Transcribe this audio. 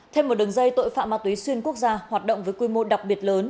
thêm một đường dây tội phạm ma túy xuyên quốc gia hoạt động với quy mô đặc biệt lớn